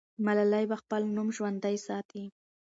ملالۍ به خپل نوم ژوندی ساتي.